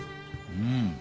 うん！